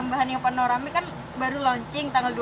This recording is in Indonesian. wah apa ya antusiasme itu banget gitu